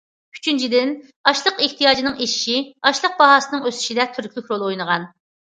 ئۈچىنچىدىن، ئاشلىق ئېھتىياجىنىڭ ئېشىشى ئاشلىق باھاسىنىڭ ئۆسۈشىدە تۈرتكىلىك رول ئوينىغان.